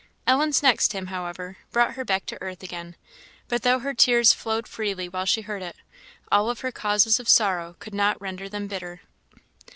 Ellen's next hymn, however, brought her back to earth again; but though her tears flowed freely while she heard it, all her causes of sorrow could not render them bitter.